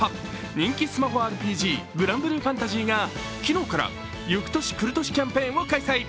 人気スマホＲＰＧ「グランブルーファンタジー」が昨日からゆく年くる年キャンペーンを開催。